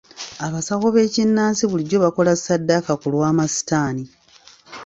Abasawo b'ekinnansi bulijjo bakola saddaaka ku lw'amasitaani.